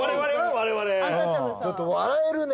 我々ちょっと笑えるね